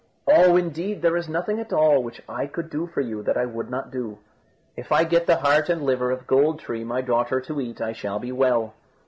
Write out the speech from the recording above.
"Oh! indeed there is nothing at all which I could do for you that I would not do." "If I get the heart and the liver of Gold tree, my daughter, to eat, I shall be well."